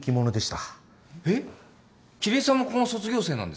えっ桐江さんもここの卒業生なんですか？